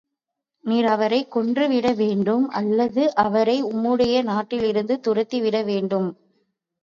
நீர் அவரைக் கொன்று விட வேண்டும் அல்லது அவரை உம்முடைய நாட்டிலிருந்து துரத்தி விட வேண்டும்.